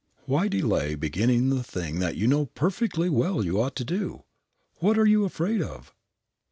Why delay beginning the thing that you know perfectly well you ought to do? What are you afraid of?